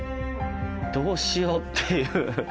どうしようっていう。